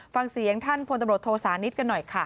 ฟังเสียงท่านพลตำรวจโทสานิทกันหน่อยค่ะ